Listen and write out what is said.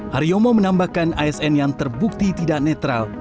hari yomo menambahkan asn yang terbukti tidak netral